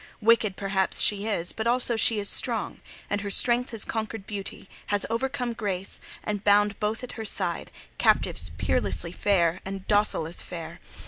Wicked, perhaps, she is, but also she is strong; and her strength has conquered Beauty, has overcome Grace, and bound both at her side, captives peerlessly fair, and docile as fair.